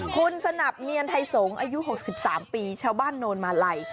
คุณสนับเนียนไทยสงศ์อายุ๖๓ปีชาวบ้านโนนมาลัย